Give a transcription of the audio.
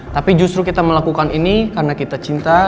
tapi justru kita melakukan ini karena kita cinta